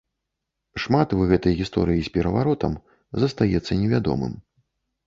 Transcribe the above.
Шмат у гэтай гісторыі з пераваротам застаецца невядомым.